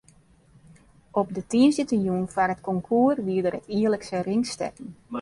Op de tiisdeitejûn foar it konkoers wie der it jierlikse ringstekken.